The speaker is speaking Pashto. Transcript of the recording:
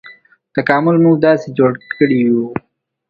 تکامل موږ داسې جوړ کړي یوو.